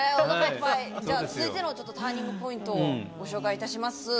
続いてのターニングポイントをご紹介します。